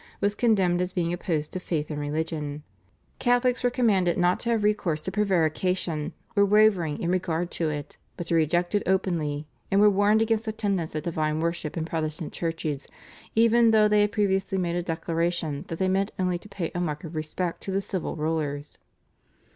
was condemned as being opposed to faith and religion; Catholics were commanded not to have recourse to prevarication or wavering in regard to it, but to reject it openly, and were warned against attendance at divine worship in Protestant churches even though they had previously made a declaration that they meant only to pay a mark of respect to the civil rulers.